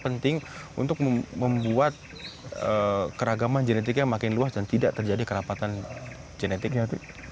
penting untuk membuat keragaman genetiknya makin luas dan tidak terjadi kerapatan genetiknya